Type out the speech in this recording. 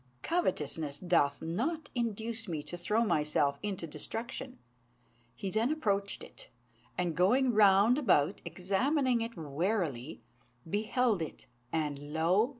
Covetousness doth not induce me to throw myself into destruction." He then approached it, and, going round about examining it warily, beheld it; and lo!